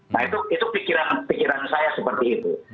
nah itu pikiran pikiran saya seperti itu